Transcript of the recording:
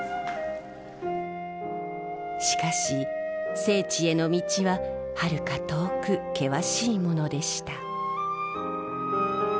しかし聖地への道ははるか遠く険しいものでした。